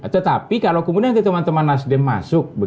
tetapi kalau kemudian teman teman nasdem masuk